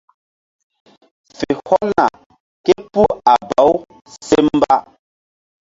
Fe hɔlna képuh a baw se mba.